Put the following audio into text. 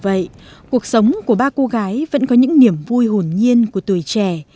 tuy nhiên cuộc sống của ba cô gái vẫn có những niềm vui hồn nhiên của tuổi trẻ